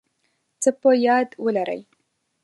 څه په یاد ولرئ